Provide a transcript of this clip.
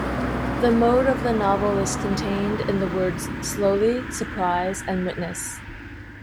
The mode of the novel is contained in the words Slowly, Surprise, and Witness.